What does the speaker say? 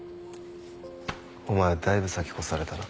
お前だいぶ先越されたな。